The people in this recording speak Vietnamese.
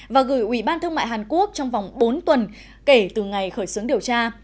và gửi ủy ban thương mại hàn quốc trong vòng bốn tuần kể từ ngày khởi xướng điều tra